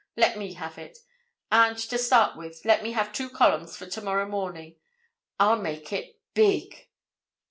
Let me have it. And to start with, let me have two columns for tomorrow morning. I'll make it—big!"